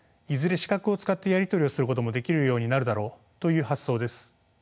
視覚を使ってやり取りをすることもできるようになるだろうという発想です。